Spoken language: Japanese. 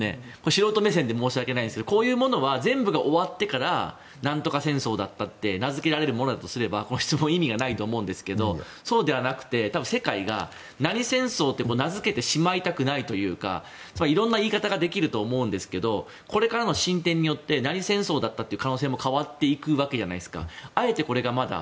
素人目線で申し訳ないんですけどこういうものは全部が終わってから何とか戦争だったって名づけられるものだとすればこの質問は意味がないと思うんですがそうではなくて世界が何戦争と名付けてしまいたくないというかいろんな言い方ができると思うんですけどこれからの進展によって何戦争だったという可能性も変わっていくわけじゃないですか。